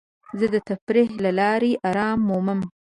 زه د تفریح له لارې ارام مومم.